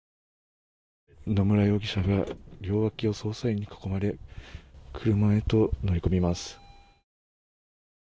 野村容疑者が両脇を捜査員に囲まれ車へと乗り込みます。